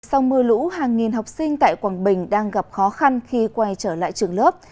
sau mưa lũ hàng nghìn học sinh tại quảng bình đang gặp khó khăn khi quay trở lại trường lớp